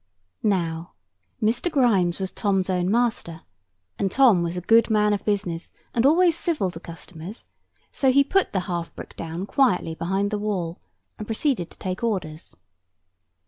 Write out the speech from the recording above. Now, Mr. Grimes was Tom's own master, and Tom was a good man of business, and always civil to customers, so he put the half brick down quietly behind the wall, and proceeded to take orders.